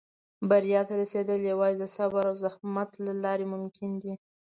• بریا ته رسېدل یوازې د صبر او زحمت له لارې ممکن دي.